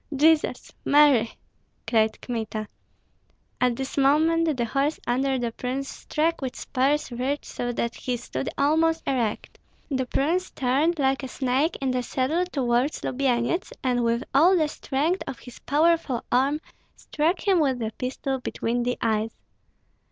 "Jesus, Mary!" cried Kmita. At this moment the horse under the prince struck with spurs reared so that he stood almost erect; the prince turned like a snake in the saddle toward Lubyenyets, and with all the strength of his powerful arm struck him with the pistol between the eyes.